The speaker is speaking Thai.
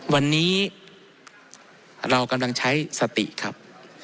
วันนี้เรากำลังใช้สติครับ